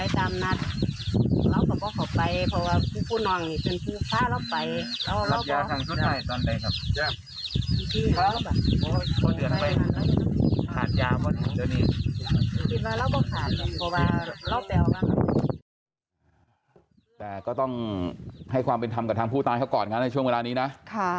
แต่ก็ต้องให้ความเป็นธรรมกับทางผู้ตายเขาก่อนนะในช่วงเวลานี้นะ